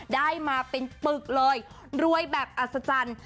ได้มาเป็นปึกเลยรวยแบบอัศจรรย์